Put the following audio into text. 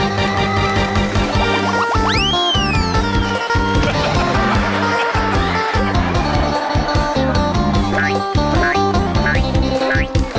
รอดตรงกลางรอดตรงกลางรอดตรงกลาง